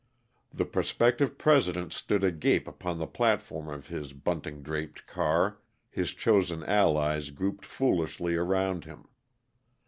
The prospective President stood agape upon the platform of his bunting draped car, his chosen allies grouped foolishly around him.